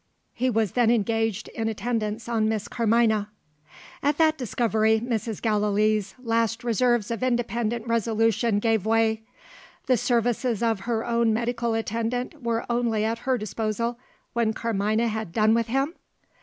He was then engaged in attendance on Miss Carmina. At that discovery, Mrs. Gallilee's last reserves of independent resolution gave way. The services of her own medical attendant were only at her disposal, when Carmina had done with him!